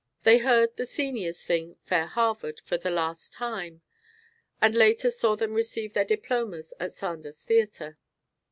They heard the seniors sing "Fair Harvard" for the last time, and later saw them receive their diplomas at Sander's Theatre.